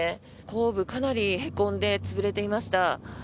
後部かなりへこんで潰れていました。